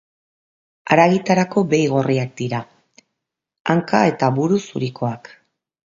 Haragitarako behi gorriak dira, hanka eta buru zurikoak.